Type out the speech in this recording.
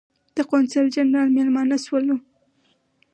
د قونسل جنرال مېلمانه شولو.